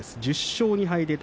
１０勝２敗。